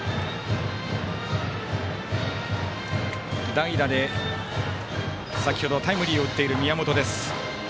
代打で先ほどタイムリーを打っている宮本。